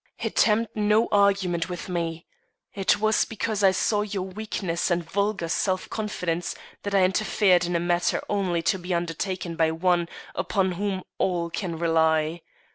"Attempt no argument with me. It was because I saw your weakness and vulgar self confidence that I interfered in a matter only to be undertaken by one upon whom all can rely.